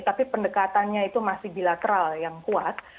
tapi pendekatannya itu masih bilateral yang kuat